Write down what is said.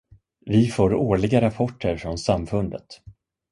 Vi får årliga rapporter från samfundet.